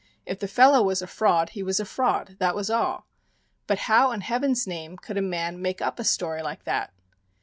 If the fellow was a fraud, he was a fraud, that was all. But how in Heaven's name could a man make up a story like that!